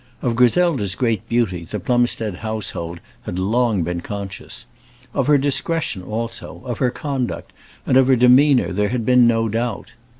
Of Griselda's great beauty the Plumstead household had long been conscious; of her discretion also, of her conduct, and of her demeanour there had been no doubt.